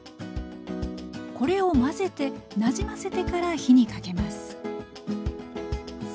これを混ぜてなじませてから火にかけます